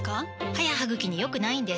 歯や歯ぐきに良くないんです